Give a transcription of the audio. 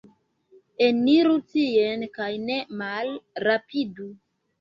Eniru tien, kaj ne malrapidu.